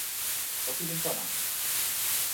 o pilin pona!